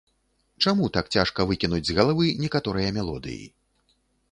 Чаму так цяжка выкінуць з галавы некаторыя мелодыі.